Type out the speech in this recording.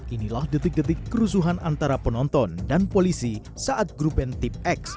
inilah detik detik kerusuhan antara penonton dan polisi saat grup band tip x